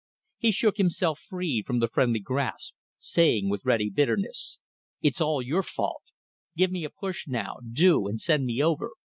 He shook himself free from the friendly grasp, saying with ready bitterness "It's all your fault. Give me a push now, do, and send me over.